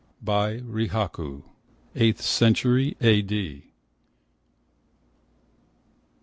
By Rihaku. 8th century A.D.